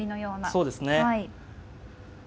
そうですね。